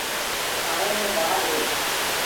چآننهڻيو مي دآگ هي